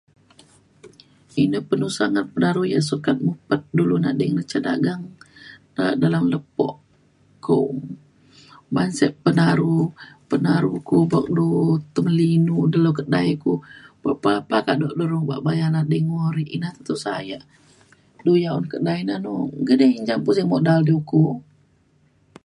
Sinet penusa ngan pengelaro yak dulue nading ca nagang kak dalem lepo ko ban sio penaru, penaru kuak tok dulue terbeli inu dalem kedai lo. Puak pa keto dulue bayan ngan ading murip ina yak tusa yak. Dulu yak kedai na no idi njam pusing modal kok